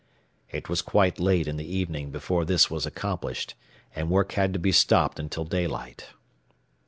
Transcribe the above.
It was quite late in the evening before this was accomplished, and work had to be stopped until daylight.